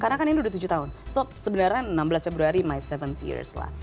karena kan ini udah tujuh tahun so sebenarnya enam belas februari my tujuh th years lah